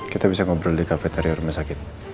kita bisa ngobrol di kafetari rumah sakit